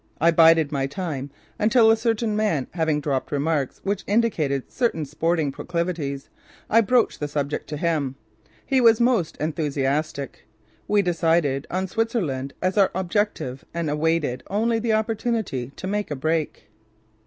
I bided my time until a certain man having dropped remarks which indicated certain sporting proclivities, I broached the subject to him. He was most enthusiastic. We decided on Switzerland as our objective and awaited only the opportunity to make a break.